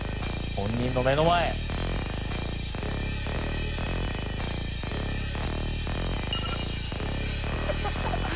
本人の目の前。・ハハハハ！